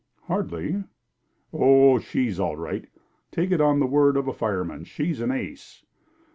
"Hardly!" "Oh, she's all right. Take it on the word of a fire man, she's an ace."